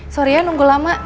sorry ya nunggu lama